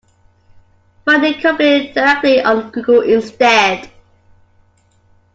Find the company directly on Google instead.